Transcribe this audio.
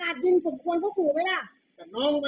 มันเป็นทักลิ่นแหละ